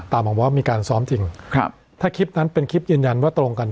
บอกว่ามีการซ้อมจริงครับถ้าคลิปนั้นเป็นคลิปยืนยันว่าตรงกัน